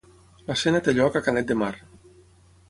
L'escena té lloc a Canet de Mar.